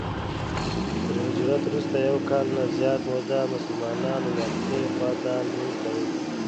تر هجرت وروسته یو کال نه زیاته موده مسلمانانو الاقصی خواته لمونځ کاوه.